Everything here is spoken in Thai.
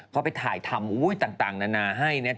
เขาไปถ่ายทำต่างนานาให้